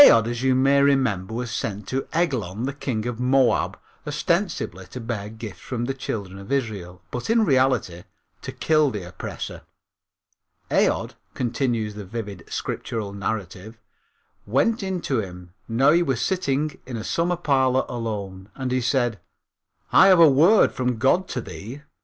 Aod, as you may remember, was sent to Eglon, the king of Moab, ostensibly to bear gifts from the Children of Israel, but, in reality, to kill the oppressor. "Aod," continues the vivid scriptural narrative, "went in to him: now he was sitting in a summer parlor alone, and he said: I have a word from God to thee.